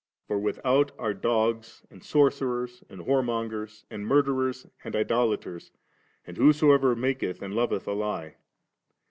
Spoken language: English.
For without are dogs, and sorcerers, and whoremongers, and mimlereis, and idolaters, and whosoever maketh and loveth a Ue.